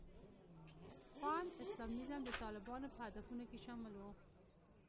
پان اسلامیزم د طالبانو په هدفونو کې شامل و.